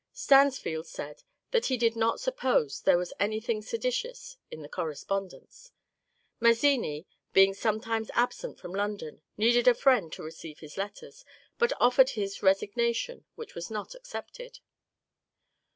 Stansfeld said that he did not suppose there was anything seditions in the correspondence, — Mazzini, being sometimes absent from Lon don, needed a friend to receive his letters, — but offered his resignation, which was not accepted.